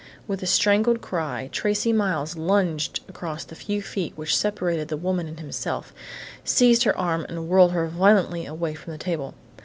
With a strangled cry Tracey Miles lunged across the few feet which separated the woman and himself, seized her arm and whirled her violently away from the table.